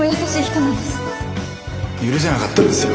許せなかったんですよ。